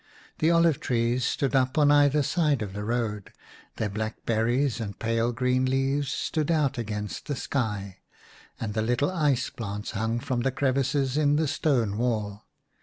The olive trees stood up on either side of the road, their black berries and pale green leaves stood out against the sky ; and the little ice plants hung from the crevices in the stone wall.